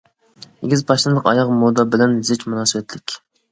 ئېگىز پاشنىلىق ئاياغ مودا بىلەن زىچ مۇناسىۋەتلىك.